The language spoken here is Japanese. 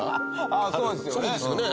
ああそうですよね。